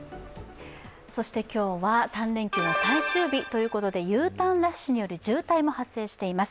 そして今日は３連休の最終日ということでＵターンラッシュによる渋滞も発生しています。